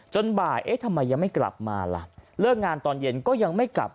บ่ายเอ๊ะทำไมยังไม่กลับมาล่ะเลิกงานตอนเย็นก็ยังไม่กลับ